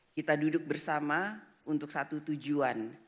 kita duduk bersama untuk satu tujuan